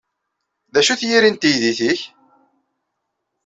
D acu-t yiri n teydit-nnek?